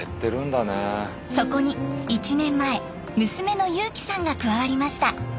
そこに１年前娘の侑季さんが加わりました。